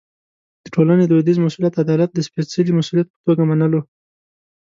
د ټولنې دودیز مسوولیت عدالت د سپېڅلي مسوولیت په توګه منلو.